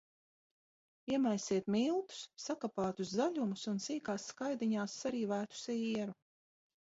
Iemaisiet miltus, sakapātus zaļumus un sīkās skaidiņās sarīvētu sieru.